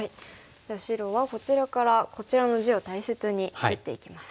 じゃあ白はこちらからこちらの地を大切に打っていきます。